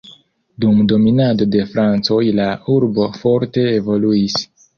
Dum dominado de francoj la urbo forte evoluis.